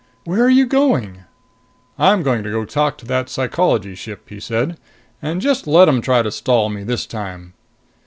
"Where are you going?" "I'm going to go talk to that Psychology ship," he said. "And just let 'em try to stall me this time!"